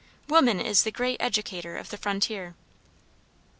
Woman is the great educator of the frontier.